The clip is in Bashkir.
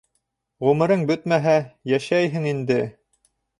Ғүмерең бөтмәһә, йәшәйһең инде.